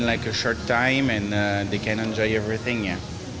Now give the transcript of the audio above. dalam waktu yang kurang dan mereka bisa menikmati semuanya